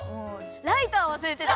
ライターわすれてた。